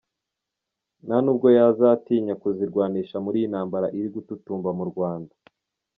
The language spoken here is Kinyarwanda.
Nta nubwo yazatinya kuzirwanisha muri iyi ntambara iri gututumba mu Rwanda.